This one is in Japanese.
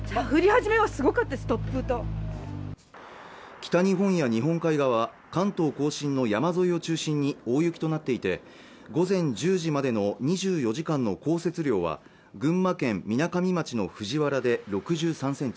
北日本や日本海側、関東甲信の山沿いを中心に大雪となっていて午前１０時までの２４時間の降雪量は群馬県みなかみ町の藤原で６３センチ